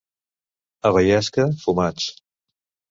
A Baiasca, fumats.